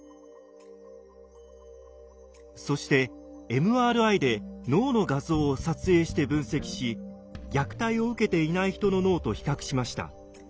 そしてＭＲＩで脳の画像を撮影して分析し虐待を受けていない人の脳と比較しました。